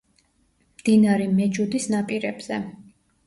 მდინარე მეჯუდის ნაპირებზე.